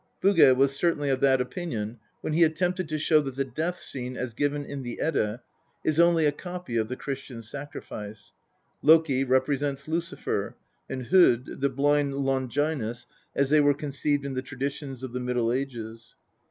Bugge was certainly of that opinion when he attempted to show that the death scene as given in the Edda is only a copy of the Christian sacrifice. Loki represents Lucifer, and Hod the blind Longinus as they were conceived in the traditions of the Middle Ages.